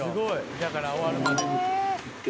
だから終わるまで。